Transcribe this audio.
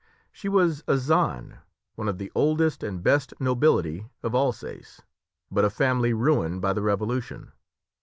She was a Zaân, one of the oldest and best nobility of Alsace, but a family ruined by the Revolution.